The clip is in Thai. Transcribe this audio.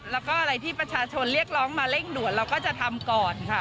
แล้วก็อะไรที่ประชาชนเรียกร้องมาเร่งด่วนเราก็จะทำก่อนค่ะ